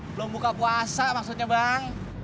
belum buka puasa maksudnya bang